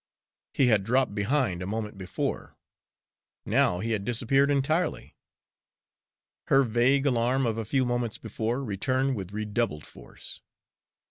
He had dropped behind a moment before; now he had disappeared entirely. Her vague alarm of a few moments before returned with redoubled force.